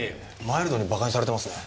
マイルドにバカにされてますね。